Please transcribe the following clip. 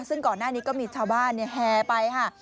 ซึ่งก่อนหน้านี้ก็มีชาวบ้านแห่ไปค่ะ